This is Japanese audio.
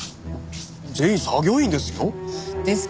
全員作業員ですよ？